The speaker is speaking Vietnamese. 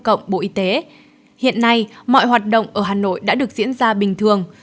cộng bộ y tế hiện nay mọi hoạt động ở hà nội đã được diễn ra bình thường